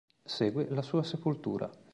Segue la sua sepoltura.